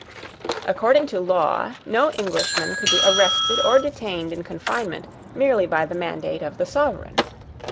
According to law no Englishman could be arrested or detained in confinement merely by the mandate of the sovereign.